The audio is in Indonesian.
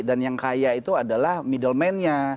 dan yang kaya itu adalah middle man nya